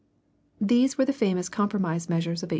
] These were the famous compromise measures of 1850.